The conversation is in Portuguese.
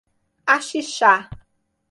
Axixá